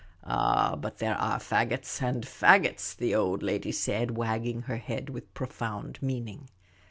" Ah, but there are faggots and faggots," the old lady said, wagging her head with profound meaning.